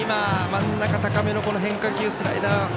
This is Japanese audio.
真ん中高めの変化球、スライダー。